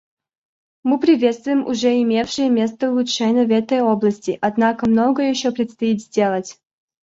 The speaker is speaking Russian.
Мы приветствуем уже имевшие место улучшения в этой области, однако многое еще предстоит сделать.